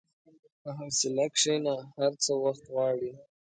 په حوصله کښېنه، هر څه وخت غواړي.